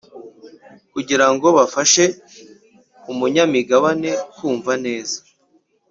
Kugira ngo bifashe umunyamigabane kumva neza